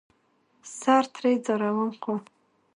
سر ترې ځاروم ،خو